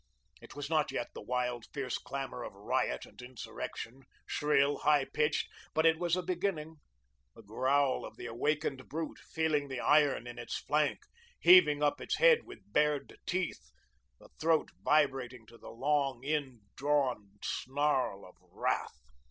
It was not yet the wild, fierce clamour of riot and insurrection, shrill, high pitched; but it was a beginning, the growl of the awakened brute, feeling the iron in its flank, heaving up its head with bared teeth, the throat vibrating to the long, indrawn snarl of wrath.